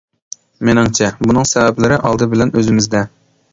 مېنىڭچە، بۇنىڭ سەۋەبلىرى ئالدى بىلەن ئۆزىمىزدە.